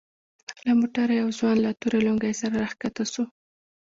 له موټره يو ځوان له تورې لونگۍ سره راکښته سو.